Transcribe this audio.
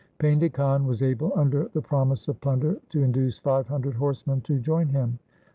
Painda Khan was able, under the promise of plunder, to induce five hundred horsemen to join him.